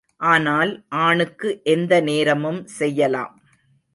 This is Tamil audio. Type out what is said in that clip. ஆனால் ஆணுக்கு எந்த நேரமும் செய்யலாம்.